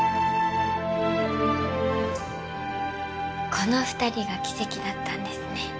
この２人が奇跡だったんですね